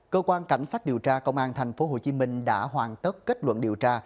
cơ quan cảnh sát điều tra công an tp hcm đã hoàn tất kết luận điều tra